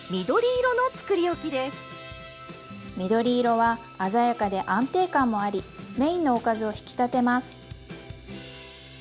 緑色は鮮やかで安定感もありメインのおかずを引き立てます。